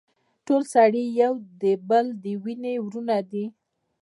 ټول سړي د يو بل د وينې وروڼه دي.